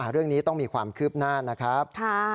เรื่องนี้ต้องมีความคืบหน้านะครับ